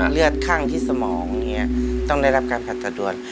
เลือดข้างที่สมองเนี่ยต้องได้รับการพัฒนาดวน